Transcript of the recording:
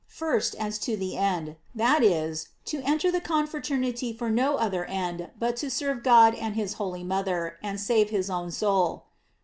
First, as to the end; that is, to enter the confraternity for no other end but to serve God and his holy Mother, and save his own soul.